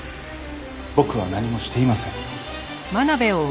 僕は何もしていません。